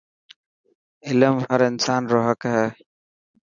علم هر انسان رو حق هي.